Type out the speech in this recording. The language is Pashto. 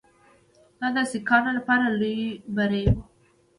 دا د سیکهانو لپاره لوی بری وو.